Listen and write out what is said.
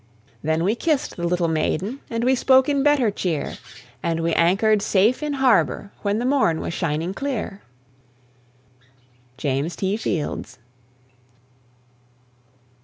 Then we kissed the little maiden. And we spoke in better cheer, And we anchored safe in harbour When the morn was shining clear. JAMES T. FIELDS.